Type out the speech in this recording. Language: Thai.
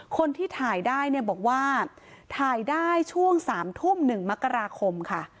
คนที่ถ่ายได้เนี่ยบอกว่าถ่ายได้ช่วง๓ทุ่ม๑มกราคมค่ะ